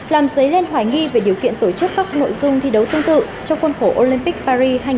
làm dấy lên hoài nghi về điều kiện tổ chức các nội dung thi đấu tương tự cho quân khổ olympic paris hai nghìn hai mươi bốn